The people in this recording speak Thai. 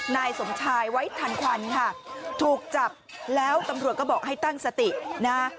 นายสมชายไว้ทันควันค่ะถูกจับแล้วตำรวจก็บอกให้ตั้งสตินะ